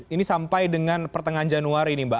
ini sampai dengan pertengahan januari nih mbak